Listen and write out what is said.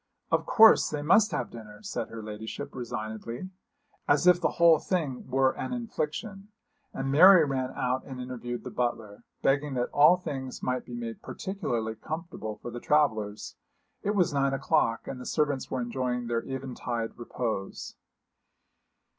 'Of course, they must have dinner,' said her ladyship, resignedly, as if the whole thing were an infliction; and Mary ran out and interviewed the butler, begging that all things might be made particularly comfortable for the travellers. It was nine o'clock, and the servants were enjoying their eventide repose.